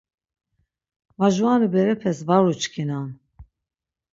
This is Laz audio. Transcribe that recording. Majurani berepes var uçkinan.